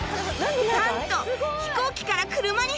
なんと飛行機から車に変身！